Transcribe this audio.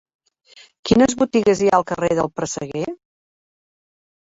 Quines botigues hi ha al carrer del Presseguer?